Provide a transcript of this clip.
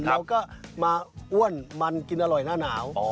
เราก็มาอ้วนมันกินอร่อยหน้าหนาว